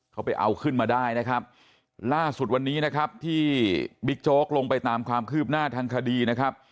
เขาไปเอาขึ้นมาได้นะครับล่าสุดวันนี้นะครับที่บิ๊กโจ๊กลงไปตามความคืบหน้าทางคดีนะครับ